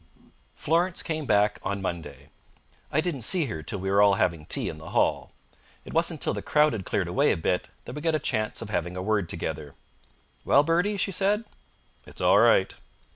Florence came back on Monday. I didn't see her till we were all having tea in the hall. It wasn't till the crowd had cleared away a bit that we got a chance of having a word together. "Well, Bertie?" she said. "It's all right."